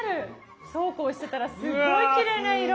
そうこうしてたらすっごいきれいな色。